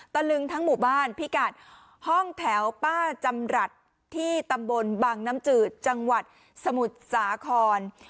ตะลึงทั้งหมู่บ้านพิกัดห้องแถวป้าจำรัฐที่ตำบลบังน้ำจืดจังหวัดสมุทรสาคร